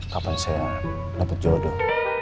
kapan saya dapet jodoh